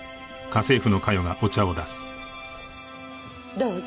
どうぞ。